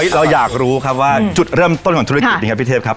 เราอยากรู้ครับว่าจุดเริ่มต้นของธุรกิจนี้ครับพี่เทพครับ